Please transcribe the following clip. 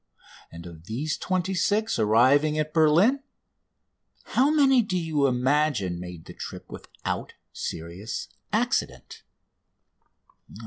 And of these 26 arriving at Berlin how many do you imagine made the trip without serious accident?